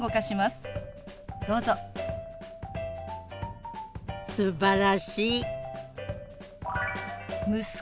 すばらしい！